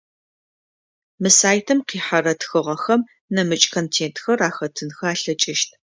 Мы сайтым къихьэрэ тхыгъэхэм нэмыкӏ контентхэр ахэтынхэ алъэкӏыщт.